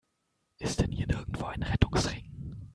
Ist hier denn nirgendwo ein Rettungsring?